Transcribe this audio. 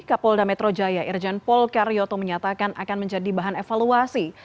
kapolda metro jaya irjen polkaryoto menyatakan akan menjadi bahan evaluasi